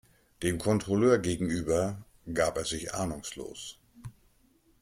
Dem Kontrolleur gegenüber gab er sich ahnungslos.